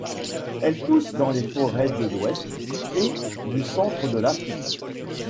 Elle pousse dans les forêts de l'ouest et du centre de l'Afrique.